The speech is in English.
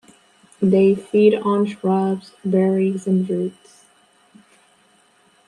They feed on shrubs, berries and roots.